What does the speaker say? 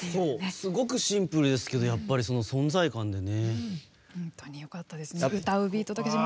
すごくシンプルですけど存在感でね。